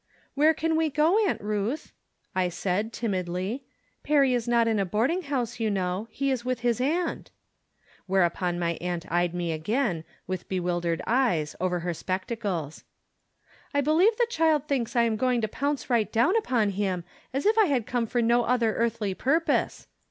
" Where can we go, Aunt Ruth ?" I said, tim idly. "Perry is not in a boarding house, you know. He is with his aunt." Whereupon my aunt eyed me again, with bewildered eyes, over her spectacles. " I believe the chUd thinks I am going to pounce right down upon hit©, as if I had come for no other earthly purpose